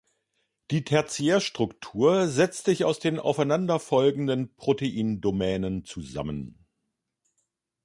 Die Tertiärstruktur setzt sich aus den aufeinanderfolgenden Proteindomänen zusammen.